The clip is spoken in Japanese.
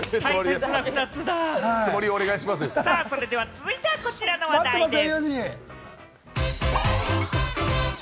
続いてはこちらの話題です。